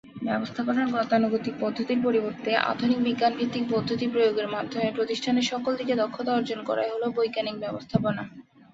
ব্যবস্থাপনার গতানুগতিক পদ্ধতির পরিবর্তে আধুনিক বিজ্ঞানভিত্তিক পদ্ধতি প্রয়োগের মাধ্যমে প্রতিষ্ঠানের সকল দিকে দক্ষতা অর্জন করাই হলো বৈজ্ঞানিক ব্যবস্থাপনা।